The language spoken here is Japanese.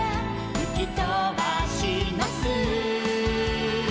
「ふきとばします」